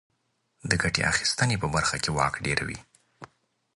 د ګټې اخیستنې په برخه کې واک ډېروي.